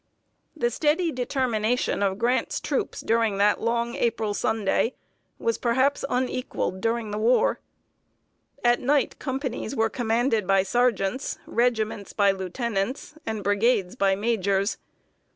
The steady determination of Grant's troops during that long April Sunday, was perhaps unequaled during the war. At night companies were commanded by sergeants, regiments by lieutenants, and brigades by majors.